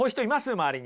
周りに。